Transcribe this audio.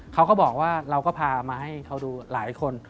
เขาก็บอกว่าเราก็พามาให้เขาดูหลายคน